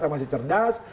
yang masih cerdas